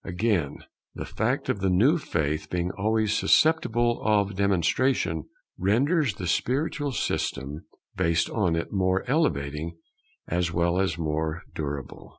Again, the fact of the new faith being always susceptible of demonstration, renders the spiritual system based on it more elevating as well as more durable.